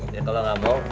ya kalau gak mau